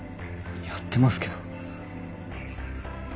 やってますけど。